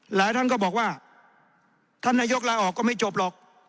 หลายท่านก็บอกว่าท่านนายกลาออกก็ไม่จบหรอก